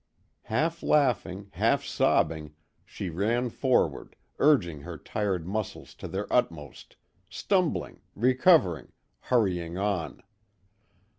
Half laughing, half sobbing, she ran forward, urging her tired muscles to their utmost, stumbling, recovering, hurrying on.